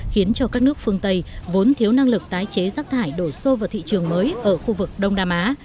khiến cho các nước phương tây vốn thiếu năng lực tái chế rác thải đổ xô vào thị trường mới ở khu vực đông nam á